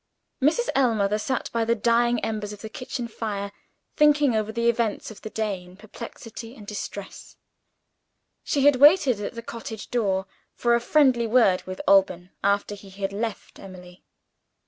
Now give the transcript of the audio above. Mrs. Ellmother sat by the dying embers of the kitchen fire; thinking over the events of the day in perplexity and distress. She had waited at the cottage door for a friendly word with Alban, after he had left Emily.